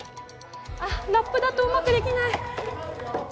ラップだとうまくできない。